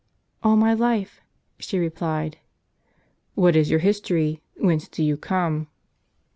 " All my life," she replied. " What is your history ? Whence do you come